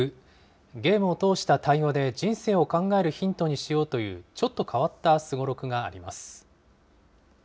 ゲームを通した会話で人生を考えるヒントにしようという、ちょっと変わったすごろくがあります。